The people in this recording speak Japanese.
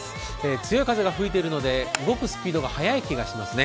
強い風が吹いているので動くスピードが速い気がしますね。